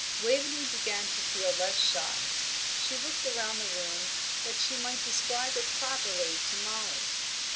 Waveney began to feel less shy; she looked round the room that she might describe it properly to Mollie.